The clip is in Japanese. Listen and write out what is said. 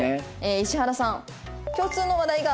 石原さん。